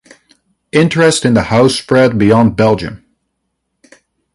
Interest in the house spread beyond Belgium.